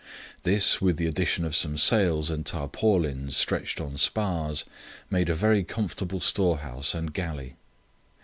This, with the addition of some sails and tarpaulins stretched on spars, made a very comfortable storehouse and galley.